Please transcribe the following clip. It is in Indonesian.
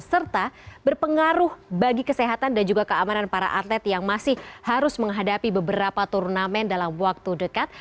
serta berpengaruh bagi kesehatan dan juga keamanan para atlet yang masih harus menghadapi beberapa turnamen dalam waktu dekat